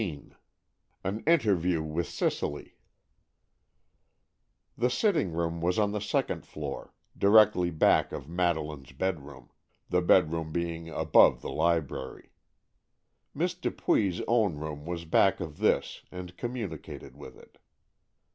XIII AN INTERVIEW WITH CICELY This sitting room was on the second floor, directly back of Madeleine's bedroom, the bedroom being above the library. Miss Dupuy's own room was back of this and communicated with it.